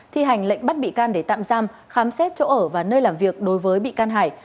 thi hành lệnh bắt bị can để tạm giam khám xét chỗ ở và nơi làm việc đối với bị can hải